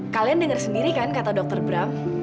kalian dengar sendiri kan kata dokter bram